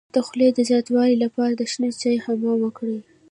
د خولې د زیاتوالي لپاره د شنه چای حمام وکړئ